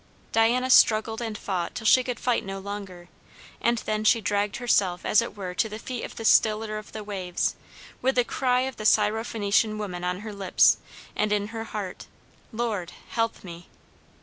Diana struggled and fought till she could fight no longer, and then she dragged herself as it were to the feet of the Stiller of the waves, with the cry of the Syro Phenician woman on her lips and in her heart: "Lord, help me!"